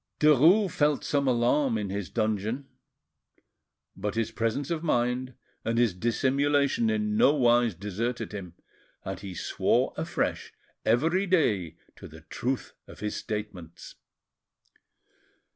Derues felt some alarm in his dungeon, but his presence of mind and his dissimulation in no wise deserted him, and he swore afresh every day to the truth of his statements.